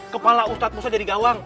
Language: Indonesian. kepala ustaz musa jadi gawang